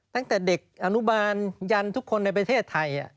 ตั้งแต่เด็กอนุบาลยันทุกคนในประเทศไทย